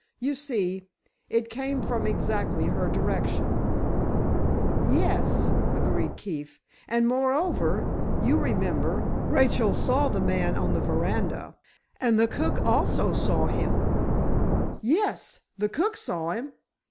You see, it came from exactly her direction." "Yes;" agreed Keefe, "and moreover, you remember, Rachel saw the man on the veranda—and the cook also saw him——" "Yes—the cook saw him!"